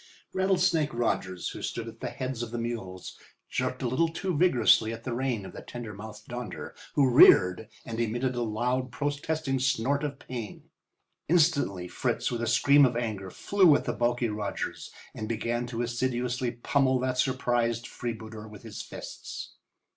Rattlesnake Rogers, who stood at the heads of the mules, jerked a little too vigorously at the rein of the tender mouthed Donder, who reared and emitted a loud, protesting snort of pain. Instantly Fritz, with a scream of anger, flew at the bulky Rogers and began to assiduously pummel that surprised freebooter with his fists.